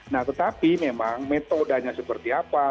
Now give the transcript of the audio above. nah tetapi memang metodenya seperti apa